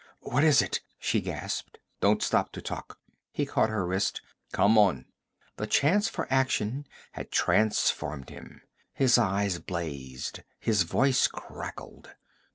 'What is it?' she gasped. 'Don't stop to talk!' He caught her wrist. 'Come on!' The chance for action had transformed him; his eyes blazed, his voice crackled.